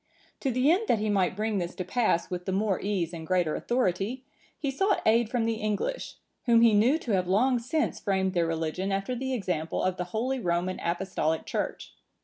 To the end that he might bring this to pass with the more ease and greater authority, he sought aid from the English, whom he knew to have long since framed their religion after the example of the holy Roman Apostolic Church.